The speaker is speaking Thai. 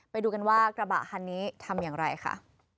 ไปดูกันว่ากระบะคันนี้ทำอย่างไรค่ะ